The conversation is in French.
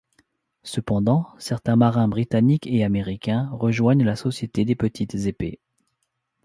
Cependant, certains marins Britanniques et Américains rejoignent la Société des Petites Épées.